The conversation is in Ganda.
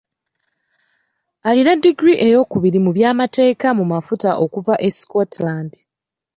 Alina ddiguli eyookubiri mu by’amateeka mu mafuta okuva e Scotland.